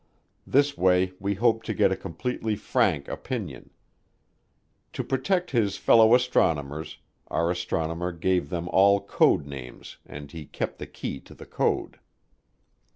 This way we hoped to get a completely frank opinion. To protect his fellow astronomers, our astronomer gave them all code names and he kept the key to the code.